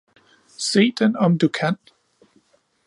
Se den om du kan